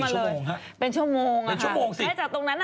ชั่วโมงค่ะเป็นชั่วโมงเป็นชั่วโมงสิจะตรงนั้นน่ะ